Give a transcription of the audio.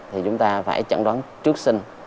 thì chúng ta phải chẩn đoán trước sinh